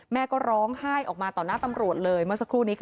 แม่ร้องไห้ออกมาต่อหน้าปรับคำตำรวจ